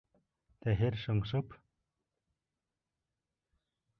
Таһир шыңшып: